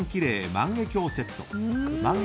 万華鏡セット」。